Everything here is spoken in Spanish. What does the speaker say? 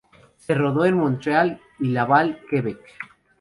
Se rodó en Montreal y Laval, Quebec.